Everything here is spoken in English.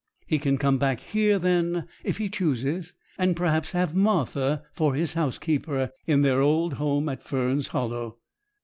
He can come back here then, if he chooses, and perhaps have Martha for his housekeeper, in their old home at Fern's Hollow.'